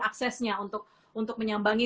aksesnya untuk menyambangi